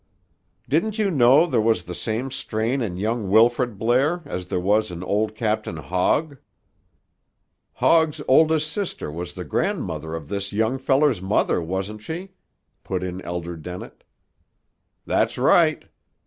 "Didn't you know there was the same strain in young Wilfrid Blair, as there was in old Captain Hogg?" "Hogg's oldest sister was the grandmother of this young feller's mother, wasn't she?" put in Elder Dennett. "That's right.